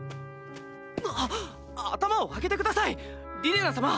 あ頭を上げてくださいリレナ様！